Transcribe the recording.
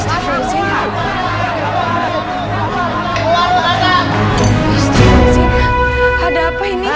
ada apa ini